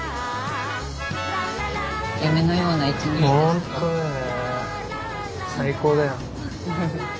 本当よね。